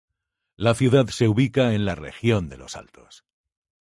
La ciudad se ubica en la Región de los Altos.